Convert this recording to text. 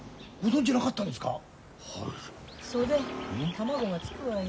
卵がつくわよ。